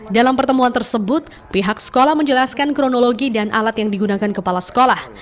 dalam pertemuan tersebut pihak sekolah menjelaskan kronologi dan alat yang digunakan kepala sekolah